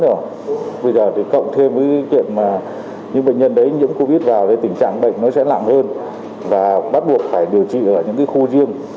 bây giờ thì cộng thêm với những bệnh nhân đấy nhiễm covid vào thì tình trạng bệnh nó sẽ lạng hơn và bắt buộc phải điều trị ở những khu riêng